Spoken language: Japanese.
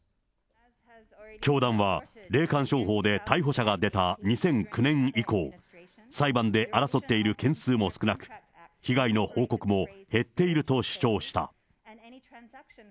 教団は、霊感商法で逮捕者が出た２００９年以降、裁判で争っている件数も少なく、被害の報告も減っていると主張した。